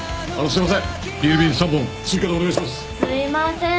すいません。